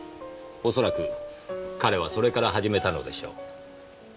おそらく彼はそれから始めたのでしょう。